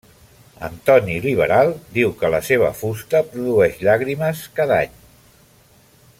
Antoní Liberal diu que la seva fusta produeix llàgrimes cada any.